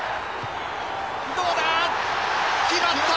どうだ⁉決まった！